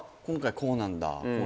今回こうなんだ